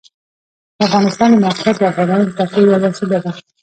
د افغانستان د موقعیت د افغانانو د تفریح یوه وسیله ده.